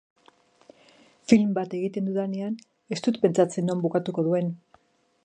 Film bat egiten dudanean, ez dut pentsatzen non bukatuko duen.